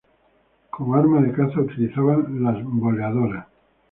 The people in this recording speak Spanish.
Como arma de caza utilizaban las boleadoras.